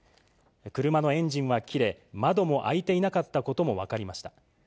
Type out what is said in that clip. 車のエンジンは切れ、窓も開いていなかったことも分かりました。